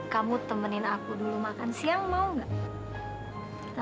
kamu temenin aku dulu makan siang mau gak